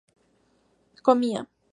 comía